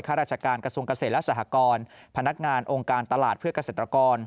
ราชการกระทรวงเกษตรและสหกรพนักงานองค์การตลาดเพื่อเกษตรกร